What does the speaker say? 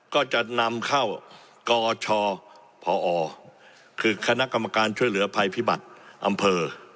ก็จะนำเข้ากชพอคือคณะกรรมการช่วยเหลือภัยพิบัติอำเภอ